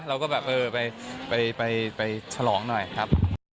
เราก็แบบเออไปฉลองหน่อยครับ